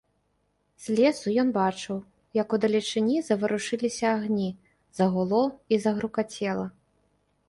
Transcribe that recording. З лесу ён бачыў, як удалечыні заварушыліся агні, загуло і загрукацела.